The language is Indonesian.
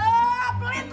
dasar gurap buat